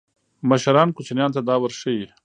مشران کوچنیانو ته دا ورښيي.